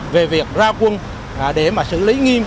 về việc ra quân để xử lý nghiêm